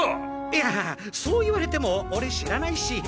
いやそう言われても俺知らないし。